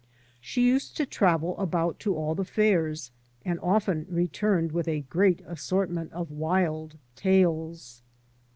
She used to travel about to all the fairs, and often returned with a great assortment of wild tales.